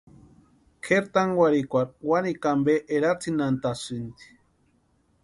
Kʼeri tankwarhikwarhu wanikwa ampe eratsinhantasïnti.